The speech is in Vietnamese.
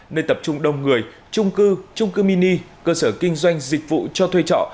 nơi tập trung đông người trung cư trung cư mini cơ sở kinh doanh dịch vụ cho thuê trọ